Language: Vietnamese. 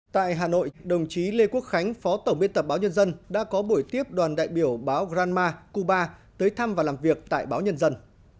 tại hà nội đồng chí lê quốc khánh phó tổng biên tập báo nhân dân đã có buổi tiếp đoàn đại biểu báo granma cuba tới thăm và làm việc tại báo nhân dân